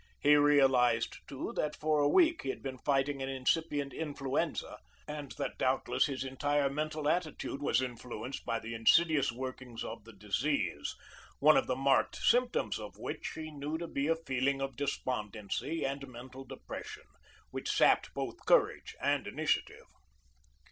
He realized, too, that for a week he had been fighting an incipient influenza and that doubtless his entire mental attitude was influenced by the insidious workings of the disease, one of the marked symptoms of which he knew to be a feeling of despondency and mental depression, which sapped both courage and initiative.